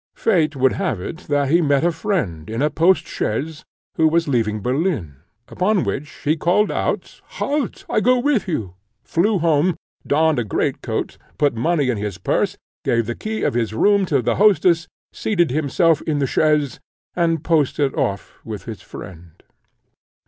Fate would have it, that he met a friend, in a post chaise, who was leaving Berlin; upon which he called out, "Halt! I go with you;" flew home, donned a great coat, put money in his purse, gave the key of his room to the hostess, seated himself in the chaise, and posted off with his friend.